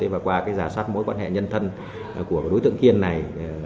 và qua giả soát mối quan hệ nhân thân của đối tượng kiên này